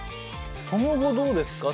その後どうですか？